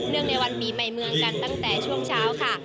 ในวันปีใหม่เมืองกันตั้งแต่ช่วงเช้าค่ะ